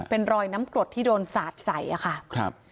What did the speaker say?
เป็นรอยน้ำกรดที่โดนสาดใส่อะค่ะครับ